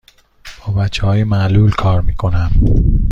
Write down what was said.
با بچه های معلول کار می کنم.